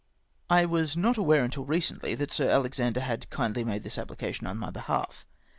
I was not aware till recently that Sir Alexander had kindly made this application on my behalf.